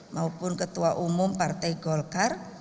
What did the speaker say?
maupun ketua umum partai golkar